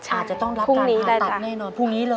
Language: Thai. อาจจะต้องรับการถามตัดแน่นอนพรุ่งนี้เลยใช่พรุ่งนี้ได้จ๊ะ